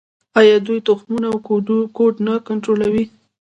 آیا دوی تخمونه او کود نه کنټرولوي؟